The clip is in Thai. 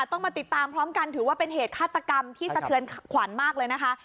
ต้องมาติดตามพร้อมกันถือว่าเป็นเหตุฆาตกรรมที่สะเทือนขวัญมากเลยนะคะ